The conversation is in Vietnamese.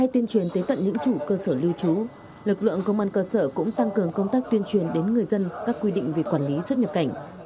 tuyên truyền tới tận những chủ cơ sở lưu trú lực lượng công an cơ sở cũng tăng cường công tác tuyên truyền đến người dân các quy định về quản lý xuất nhập cảnh